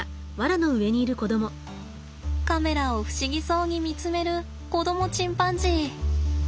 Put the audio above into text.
カメラを不思議そうに見つめる子供チンパンジー。